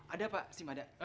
ada pak sim ada